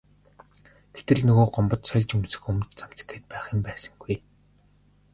Гэтэл нөгөө Гомбод сольж өмсөх өмд цамц гээд байх юм байсангүй.